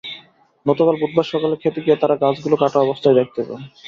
গতকাল বুধবার সকালে খেতে গিয়ে তাঁরা গাছগুলো কাটা অবস্থায় দেখতে পান।